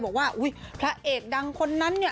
บอกว่าอุ้ยพระเอ่ดดังคนนั้นเนี่ย